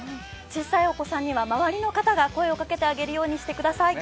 小さいお子さんには周りの方が声をかけてあげるようにしてください。